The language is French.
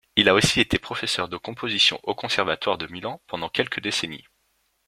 Il a aussi été professeur de composition au Conservatoire de Milan pendant quelques décennies.